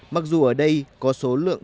mặc dù ở đây có số lượng